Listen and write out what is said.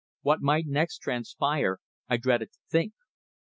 What might next transpire I dreaded to think.